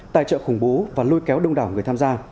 tài trợ khủng bố và lôi kéo đông đảo người tham gia